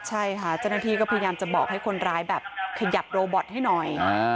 ใช่ค่ะเจ้าหน้าที่ก็พยายามจะบอกให้คนร้ายแบบขยับโรบอตให้หน่อย